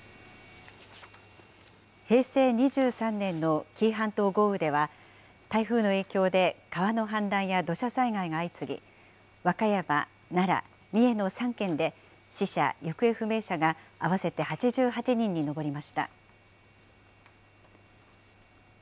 平成２３年の紀伊半島豪雨では、台風の影響で川の氾濫や土砂災害が相次ぎ、和歌山、奈良、三重の３県で、死者・行方不明者が合わせて８８人に上りました。